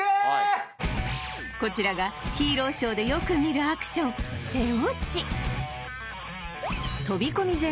こちらがヒーローショーでよく見るアクションとび込み